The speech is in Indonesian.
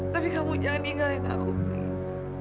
tapi kamu jangan ninggalin aku nih